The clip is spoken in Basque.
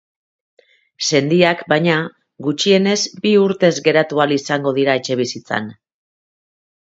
Sendiak, baina, gutxienez bi urtez geratu ahal izango dira etxebizitzan.